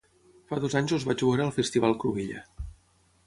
Fa dos anys els vaig veure al Festival Cruïlla.